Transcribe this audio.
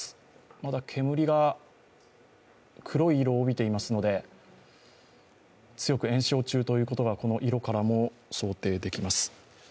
まだ煙が黒い色を帯びていますので強く延焼中ということも、この色からも想定できます。